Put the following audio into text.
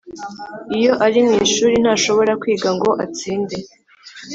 Iyo ari mw ishuri, ntashobora kwiga ngo atsinde